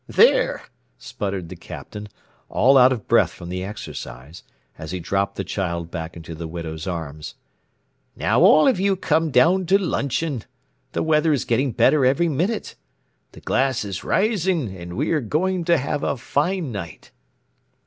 "There!" sputtered the Captain, all out of breath from the exercise, as he dropped the child back into the widow's arms. "Now all of you come down to luncheon. The weather is getting better every minute. The glass is rising and we are going to have a fine night."